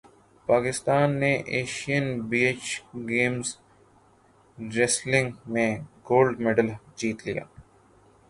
پاکستان نےایشئین beach games wrestling میں gold medal جیت لیا